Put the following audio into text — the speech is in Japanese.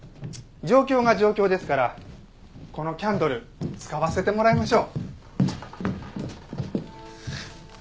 状況が状況ですからこのキャンドル使わせてもらいましょう。